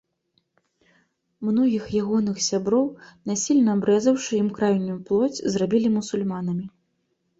Многіх ягоных сяброў, насільна абрэзаўшы ім крайнюю плоць, зрабілі мусульманамі.